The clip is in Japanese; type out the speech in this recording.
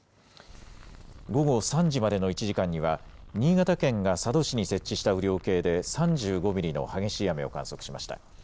午後３時までの１時間には、新潟県が佐渡市に設置した雨量計で３５ミリの激しい雨を観測しました。